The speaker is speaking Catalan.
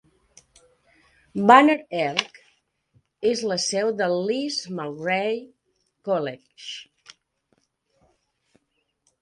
Banner Elk és la seu del Lees-McRae College.